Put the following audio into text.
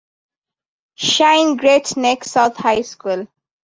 Shine Great Neck South High School.